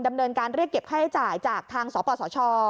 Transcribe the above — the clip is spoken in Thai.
ดำเนินการเรียกเก็บค่าใช้จ่ายจากทางสปสช